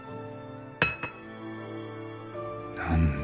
何だ？